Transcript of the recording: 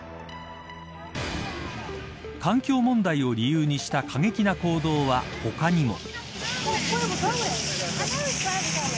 環境問題を理由にした過激な行動は他にも。